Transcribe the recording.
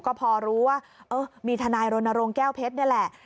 ก็พอรู้ว่ามีทนายรณรงค์แก้วเพชรนี่แหละ